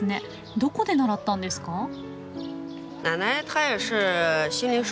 どこで習ったんですか？